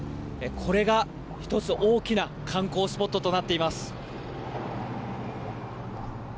これが１つ大きな観光スポットとなっています。